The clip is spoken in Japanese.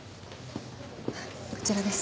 こちらです。